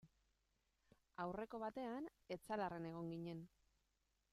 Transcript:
Aurreko batean Etxalarren egon ginen.